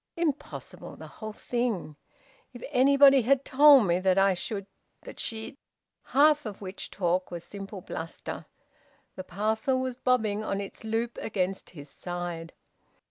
Impossible the whole thing! If anybody had told me that I should that she'd " Half of which talk was simple bluster. The parcel was bobbing on its loop against his side.